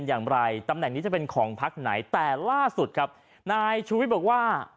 อย่างไรตำแหน่งนี้จะเป็นของพักไหนแต่ล่าสุดครับนายชูวิทย์บอกว่า